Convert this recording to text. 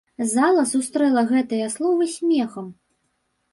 Зала сустрэла гэтыя словы смехам.